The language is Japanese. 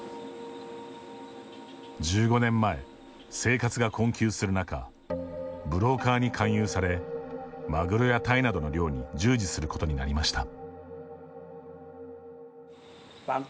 １５年前、生活が困窮する中ブローカーに勧誘されマグロやたいなどの漁に従事することになりました。